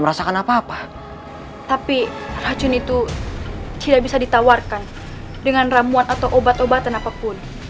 merasakan apa apa tapi racun itu tidak bisa ditawarkan dengan ramuan atau obat obatan apapun